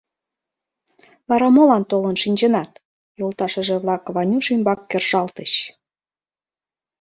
Вара молан толын шинчынат? — йолташыже-влак Ванюш ӱмбак кержалтыч.